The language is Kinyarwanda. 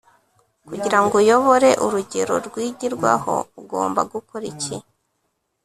Kugira ngo uyobore urugero rwigirwaho ugomba gukora iki